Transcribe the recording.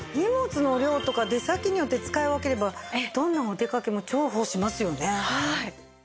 荷物の量とか出先によって使い分ければどんなお出かけも重宝しますよね。